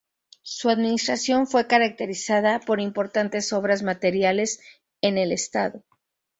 Su administración fue caracterizada por importantes obras materiales en el estado.